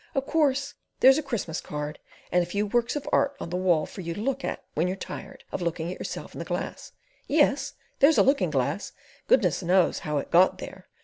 Of course there's a Christmas card and a few works of art on the walls for you to look at when you're tired of looking at yourself in the glass. Yes! There's a looking glass—goodness knows how it got there!